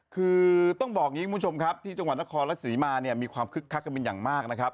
คือต้องบอกนี้คุณผู้ชมครับที่จังหวัดนครรถสีมามีความคึกคักกันเป็นอย่างมาก